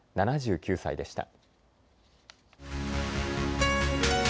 ７９歳でした。